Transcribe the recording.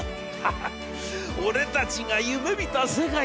『ハハッ俺たちが夢みた世界だな！』。